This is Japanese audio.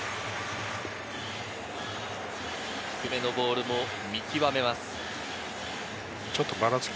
低めのボールを見極めます。